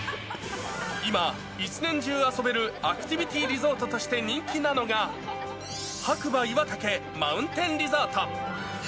今、一年中遊べるアクティビティーリゾートとして人気なのが、白馬岩岳マウンテンリゾート。